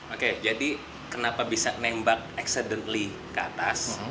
oke jadi kenapa bisa menembak ke atas